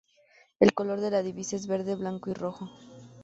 El color de la divisa es verde, blanco y rojo.